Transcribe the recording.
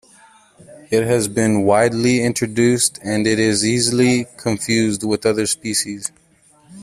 It has been widely introduced and it is easily confused with other species.